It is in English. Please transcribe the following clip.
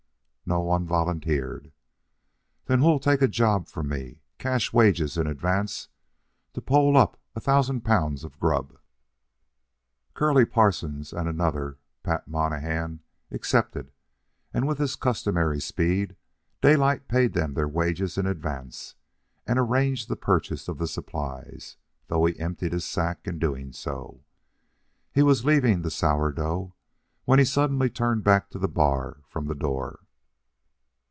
No one volunteered. "Then who all'll take a job from me, cash wages in advance, to pole up a thousand pounds of grub?" Curly Parsons and another, Pat Monahan, accepted, and, with his customary speed, Daylight paid them their wages in advance and arranged the purchase of the supplies, though he emptied his sack in doing so. He was leaving the Sourdough, when he suddenly turned back to the bar from the door.